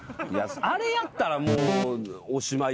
あれやったらもうおしまいよだって。